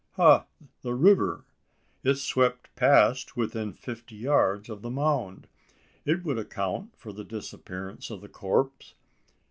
Ha the river! It swept past within fifty yards of the mound. It would account for the disappearance of the corpse.